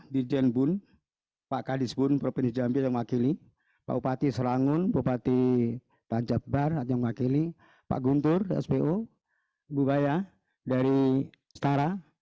dijen bun pak kadis bun provinsi jambi yang mewakili pak upati serangun bupati tanjab bar yang mewakili pak guntur sbo ibu baya dari setara